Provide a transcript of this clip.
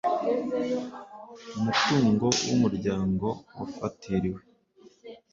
umutungo w umuryango wafatiriwe